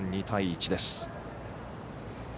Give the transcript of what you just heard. ２対１です。